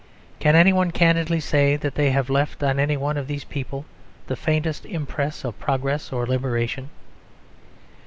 Can any one candidly say that they have left on any one of these people the faintest impress of progress or liberation?